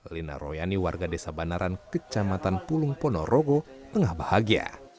lina royani warga desa banaran kecamatan pulung ponorogo tengah bahagia